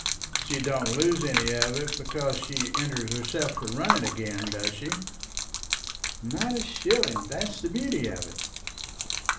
"She don't lose any of it because she enters herself for running again, does she?" "Not a shilling. That's the beauty of it."